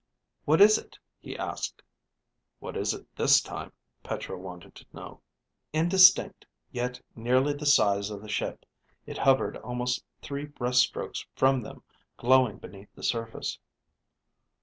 "What is it?" he asked. (What is it this time? Petra wanted to know.) Indistinct, yet nearly the size of the ship, it hovered almost three breast strokes from them, glowing beneath the surface.